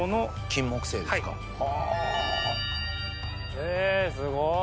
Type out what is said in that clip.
へぇすごい！